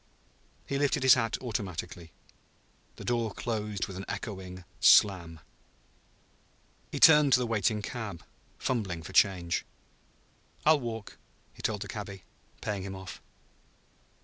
He lifted his hat automatically. The door closed with an echoing slam. He turned to the waiting cab, fumbling for change. "I'll walk," he told the cabby, paying him off.